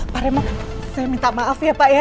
pak remo saya minta maaf ya pak ya